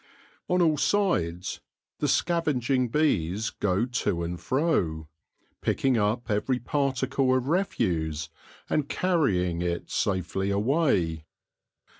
On all sides the scavenging bees go to and fro, picking up every particle of refuse, and carrying it safely away.